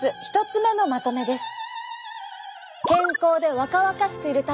１つ目のまとめです。